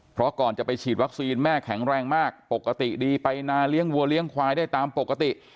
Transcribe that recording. เพราะก่อนจะไปฉีดวัคซีนแม่แข็งแรงมากปกติดีไปนาเลี้ยงวัวเลี้ยงควายได้ตามปกติ